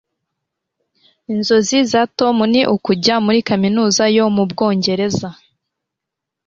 Inzozi za Tom ni ukujya muri kaminuza yo mu Bwongereza.